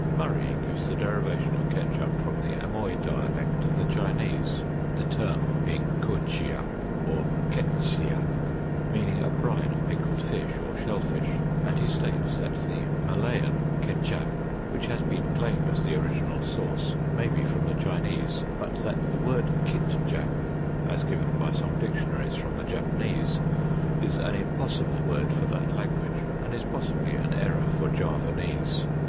Murray gives the derivation of ketchup from the Amoy dialect of the Chinese, the term being =koechiap= or =ke tsiap=, meaning a brine of pickled fish or shell fish; and he states that the Malayan =kechap=, which has been claimed as the original source, may be from the Chinese, but that the word =kitjap=, as given by some dictionaries from the Japanese, is an impossible word for that language, and is possibly an error for Javanese.